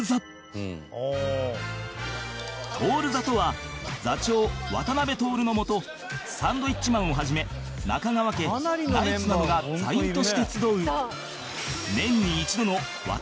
徹座とは座長渡辺徹のもとサンドウィッチマンを始め中川家ナイツなどが座員として集う